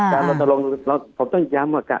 การรัฐธรรมนูลผมต้องย้ำว่า